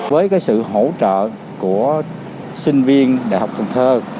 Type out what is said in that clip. với sự hỗ trợ của sinh viên đại học cần thơ